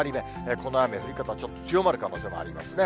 この雨の降り方、ちょっと強まる可能性もありますね。